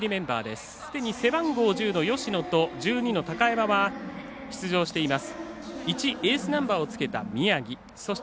すでに背番号１０の芳野と背番号１２の高山は出場しています。